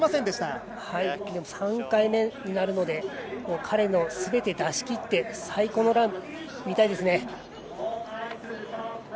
でも３回目になるので彼のすべてを出し切って最高のランを見たいですね。